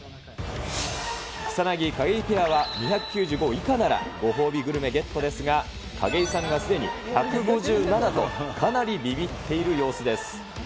草薙・景井ペアは２９５以下なら、ご褒美グルメゲットですが、景井さんがすでに１５７と、かなりびびっている様子です。